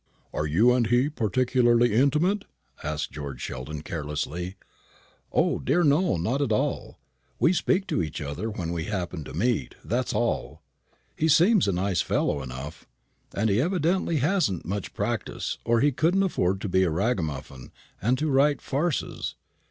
"Are you and he particularly intimate?" asked George Sheldon, carelessly. "O dear no, not at all. We speak to each other when we happen to meet that's all. He seems a nice fellow enough; and he evidently hasn't much practice, or he couldn't afford to be a Ragamuffin, and to write farces.